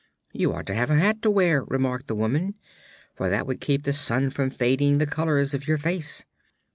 "You ought to have a hat to wear," remarked the woman, "for that would keep the sun from fading the colors of your face.